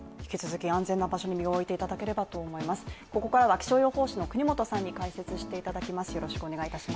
気象予報士の國本さんに解説していただきます